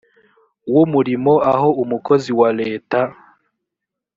w umurimo aho umukozi wa leta